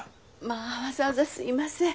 まあわざわざすいません。